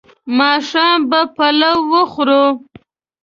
ماښام به پلاو وخورو